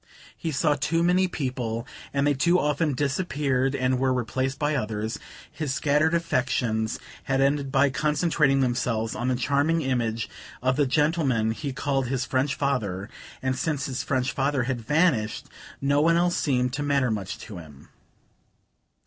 He saw too many people, and they too often disappeared and were replaced by others: his scattered affections had ended by concentrating themselves on the charming image of the gentleman he called his French father; and since his French father had vanished no one else seemed to matter much to him.